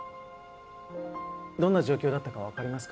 どんな状況だったかわかりますか？